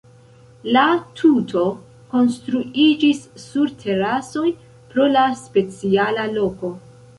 La tuto konstruiĝis sur terasoj, pro la speciala loko.